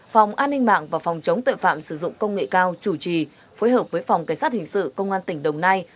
phòng an ninh mạng và phòng chống tội phạm sử dụng công nghệ cao chủ trì phối hợp với phòng cảnh sát hình sự công an tỉnh đồng nai